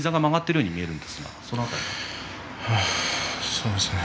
そうですね。